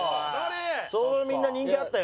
みんな人気あったよ